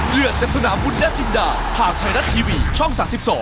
เรียนแต่สนามวุฒิอาจินดาผ่านไทยรัดทีวีช่อง๓๒